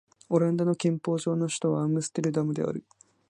オランダの憲法上の首都はアムステルダムである